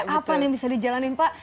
apa nih bisa dijalanin pak